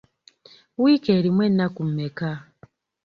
Wiiki erimu ennaku mmeka?